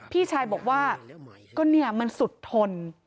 พี่ชายบอกว่าก็เนี่ยมันสุดทน